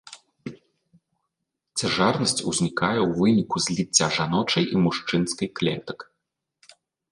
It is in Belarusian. Цяжарнасць узнікае ў выніку зліцця жаночай і мужчынскай клетак.